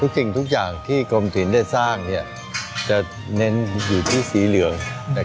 สิ่งทุกอย่างที่กรมศิลป์ได้สร้างจะเน้นอยู่ที่สีเหลือง